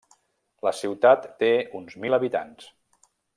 La ciutat té uns mil habitants.